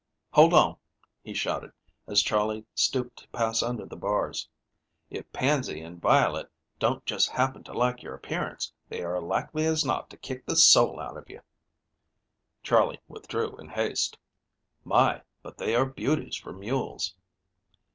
"Hold on!" he shouted, as Charley stooped to pass under the bars. "If Pansy and Violet don't just happen to like your appearance, they are likely as not to kick the soul out of you." Charley withdrew in haste. "My, but they are beauties for mules."